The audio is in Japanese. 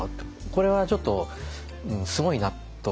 これはちょっとすごいなと。